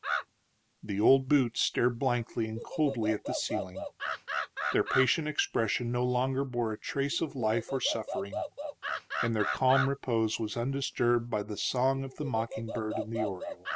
The old boots stared blankly and coldly at the ceiling; their patient expression no longer bore a trace of life or suffering, and their calm repose was undisturbed by the song of the mocking bird in the oriel.